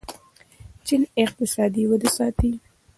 چین اقتصادي وده ساتي.